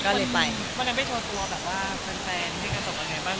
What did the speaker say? วันนั้นไปโชว์ตัวแบบว่าแฟนในการส่งอะไรไงบ้าง